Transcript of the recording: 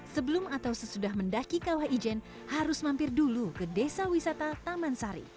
sebelum atau sesudah mendaki kawah ijen harus mampir dulu ke desa wisata taman sari